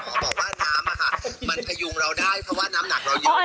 บอกว่าน้ำมันพยุงเราได้เพราะว่าน้ำหนักเราเยอะ